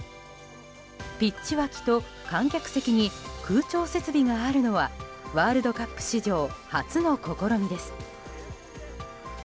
ピッチ脇と観客席に空調設備があるのはワールドカップ史上初の試みです。